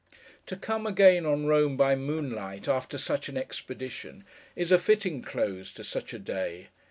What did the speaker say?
To come again on Rome, by moonlight, after such an expedition, is a fitting close to such a day.